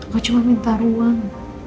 kau cuma minta ruang